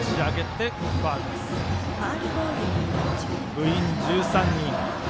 部員１３人。